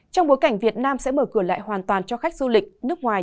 trong bối cảnh việt nam sẽ mở cửa lại hoàn toàn cho khách du lịch nước ngoài